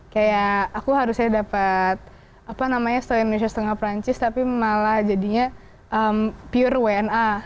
kayak aku harusnya dapat apa namanya setelah indonesia setengah perancis tapi malah jadinya pure wna